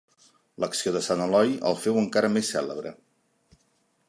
L'acció de sant Eloi el féu encara més cèlebre.